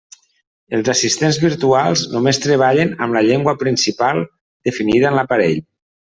Els assistents virtuals només treballen amb la llengua principal definida en l'aparell.